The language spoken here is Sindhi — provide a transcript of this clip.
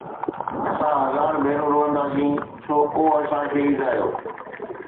اسان هزار ڀيرا روئنداسين ڇو ڪو اسان کي ايذايو